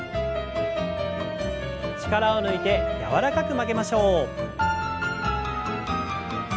力を抜いて柔らかく曲げましょう。